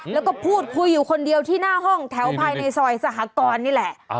แล้วก็พูดคุยอยู่คนเดียวที่หน้าห้องแถวภายในซอยสหกรนี่แหละ